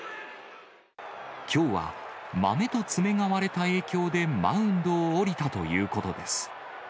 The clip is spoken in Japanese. きょうはまめと爪が割れた影響でマウンドを降りたということです。